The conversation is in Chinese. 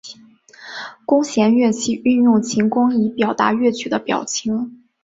弓弦乐器运用琴弓以表达乐曲的表情。